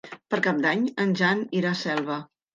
Per Cap d'Any en Jan irà a Selva.